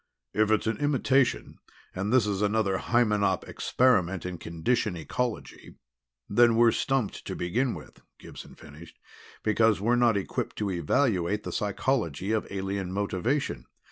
"If it's an imitation, and this is another Hymenop experiment in condition ecology, then we're stumped to begin with," Gibson finished. "Because we're not equipped to evaluate the psychology of alien motivation.